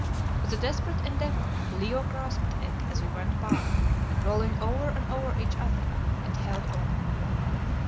With a desperate endeavour, Leo grasped it as we went by, rolling over and over each other, and held on.